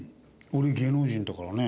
俺芸能人だからね。